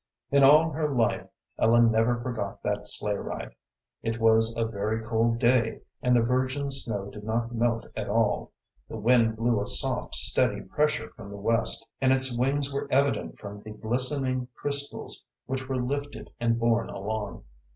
In all her life, Ellen never forgot that sleigh ride. It was a very cold day, and the virgin snow did not melt at all; the wind blew a soft, steady pressure from the west, and its wings were evident from the glistening crystals which were lifted and borne along.